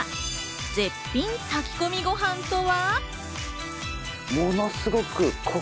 絶品炊き込みご飯とは？